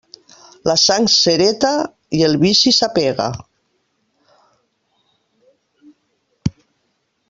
La sang s'hereta i el vici s'apega.